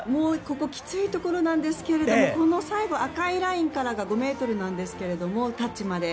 きついところなんですけど最後、赤いラインからが５ｍなんですが、タッチまで。